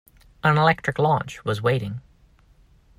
An electric launch was waiting.